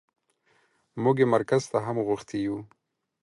موږ يې مرکز ته هم غوښتي يو.